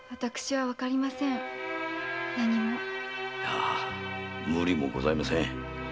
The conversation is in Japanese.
いや無理もございません。